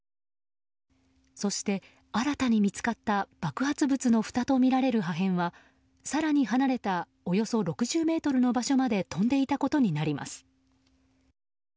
そして、新たに見つかった爆発物のふたとみられる破片は更に離れたおよそ６０ｍの場所まで飛んでいたことになります。